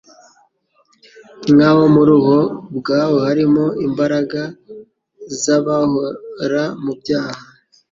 nk’aho muri wo ubwawo harimo imbaraga zababohora mu byaha